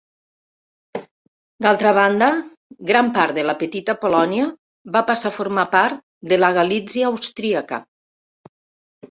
D'altra banda, gran part de la Petita Polònia va passar a formar part de la Galítsia austríaca.